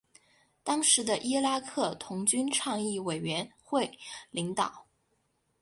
当时的伊拉克童军倡议委员会领导。